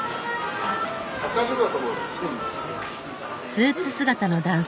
スーツ姿の男性が。